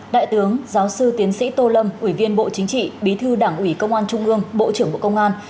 đại tướng giáo sư tiến sĩ tô lâm ủy viên bộ chính trị bí thư đảng ủy công an trung ương bộ trưởng bộ công an